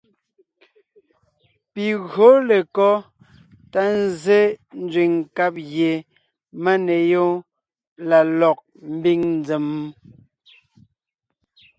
Pi gÿǒ lekɔ́ tá nzsé nzẅìŋ nkáb gie máneyoon la lɔg mbiŋ nzèm?